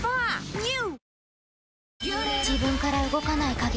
ＮＥＷ！